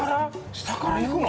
下からいくの？